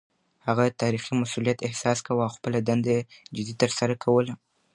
هغه د تاريخي مسووليت احساس کاوه او خپله دنده يې جدي ترسره کوله.